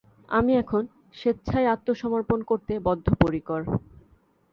আমি এখন স্বেচ্ছায় আত্মসমর্পণ করতে বদ্ধপরিকর।